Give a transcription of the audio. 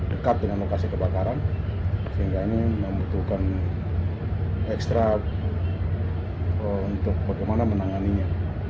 dekat dengan lokasi kebakaran sehingga ini membutuhkan ekstra untuk bagaimana menanganinya